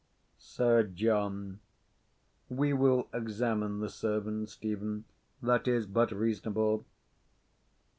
Sir John. We will examine the servants, Stephen; that is but reasonable.